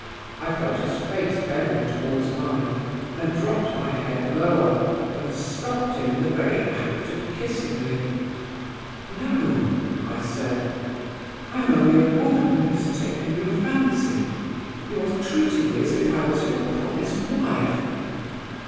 I felt his face bending toward mine, and dropped my head lower, and stopped him in the very act of kissing me. "'No,' I said; 'I am only a woman who has taken your fancy. You are treating me as if I was your promised wife.